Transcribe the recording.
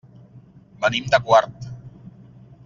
Venim de Quart.